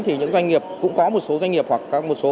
thì những doanh nghiệp cũng có một số doanh nghiệp hoặc một số